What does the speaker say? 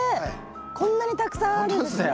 こんなにたくさんあるんですね。